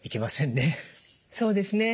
そうですね。